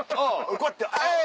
こうやってあい！